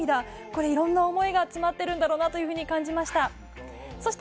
いろんな思いが詰まっているんだろなって感じました。